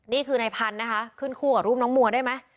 นี่คือในพันธุ์นะคะขึ้นคู่กับรูปน้องมัวได้ไหม